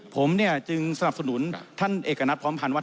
ผมเนี่ยจึงสนับสนุนท่านเอกณัฐพร้อมพันธ์ว่า